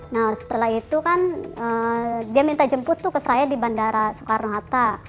nah setelah itu kan dia minta jemput tuh ke saya di bandara soekarno hatta